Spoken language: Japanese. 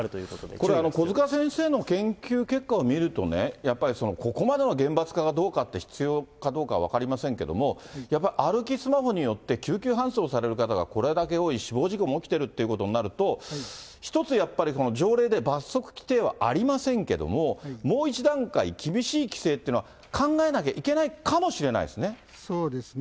これ、小塚先生の研究結果を見るとね、やっぱり、ここまでの厳罰化が必要かどうかは分かりませんけれども、やっぱ歩きスマホによって、救急搬送される方がこれだけ多い、死亡事故も起きてるということになると、１つやっぱり、条例で罰則規定はありませんけれども、もう一段階厳しい規制というのは、考えなきゃいけないかもしれないですね。